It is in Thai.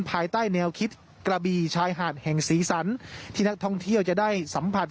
ภายใต้แนวคิดกระบีชายหาดแห่งสีสันที่นักท่องเที่ยวจะได้สัมผัส